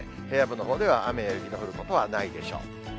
平野部のほうでは、雨や雪の降ることはないでしょう。